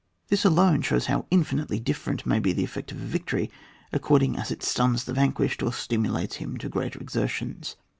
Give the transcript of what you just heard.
This alone shows how infinitely different may be the effect of a victory according as it stuns the vanquished or stimulates him to greater exertions.